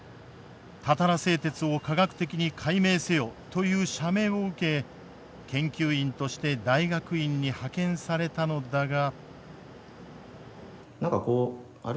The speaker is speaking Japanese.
たたら製鉄を科学的に解明せよという社命を受け研究員として大学院に派遣されたのだが。